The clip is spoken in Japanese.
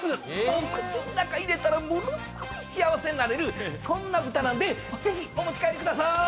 もう口の中入れたらものすごい幸せになれるそんな豚なんでぜひお持ち帰りくださーい！